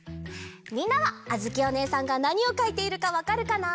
みんなはあづきおねえさんがなにをかいているかわかるかな？